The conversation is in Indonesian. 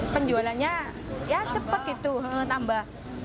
penjualannya ya cepat gitu tambah